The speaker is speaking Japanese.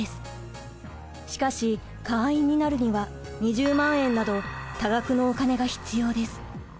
しかし会員になるには２０万円など多額のお金が必要です。